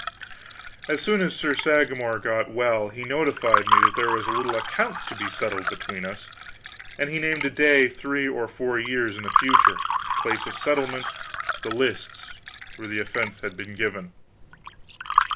As soon as Sir Sagramor got well, he notified me that there was a little account to settle between us, and he named a day three or four years in the future; place of settlement, the lists where the offense had been given.